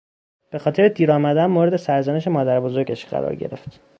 به خاطر دیر آمدن مورد سرزنش مادربزرگش قرار گرفت.